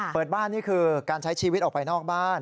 เปิดบ้านนี่คือการใช้ชีวิตออกไปนอกบ้าน